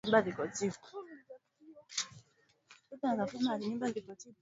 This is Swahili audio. Mechi ya kandanda ya Angola dhidi ya Moroko